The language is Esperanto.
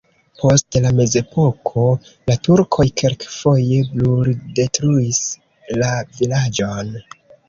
Post la mezepoko la turkoj kelkfoje bruldetruis la vilaĝon.